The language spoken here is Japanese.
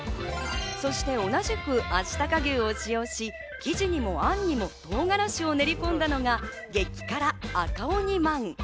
そして同じくあしたか牛を使用し、生地にもあんにも唐辛子を練り込んだのが、激辛赤鬼まん。